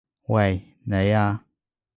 喂！你啊！